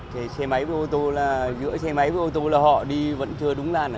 thì xe máy với ô tô là giữa xe máy với ô tô là họ đi vẫn chưa đúng làn